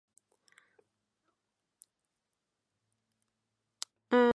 خلیج فارس در جنوب ایران است.